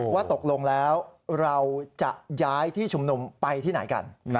ว่าตกลงแล้วเราจะย้ายที่ชุมนุมไปที่ไหนกัน